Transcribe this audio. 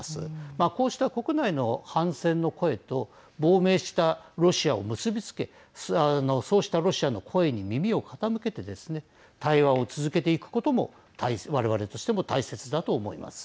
まあ、こうした国内の反戦の声と亡命したロシアを結び付けそうしたロシアの声に耳を傾けてですね対話を続けていくことも我々としても大切だと思います。